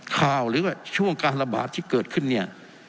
หรือว่าช่วงการระบาดที่เกิดขึ้นเนี่ย